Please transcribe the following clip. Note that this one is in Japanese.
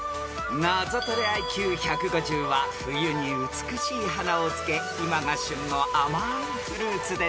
［ナゾトレＩＱ１５０は冬に美しい花をつけ今が旬の甘ーいフルーツです］